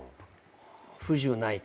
不自由ないか。